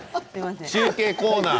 中継コーナー！